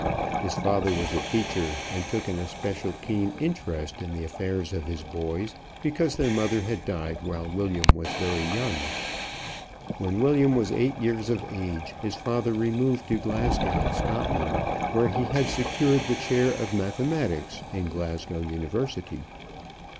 His father was a teacher and took an especially keen interest in the affairs of his boys because their mother had died while William was very young. When William was eight years of age his father removed to Glasgow, Scotland, where he had secured the chair of mathematics in Glasgow University.